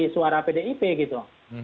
suara pdip gitu